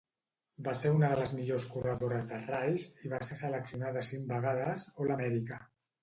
Va ser una de les millors corredores de Rice i va ser seleccionada cinc vegades "All America".